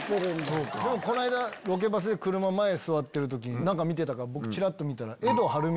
この間ロケバスで車前座ってる時に何か見てたから僕チラっと見たら。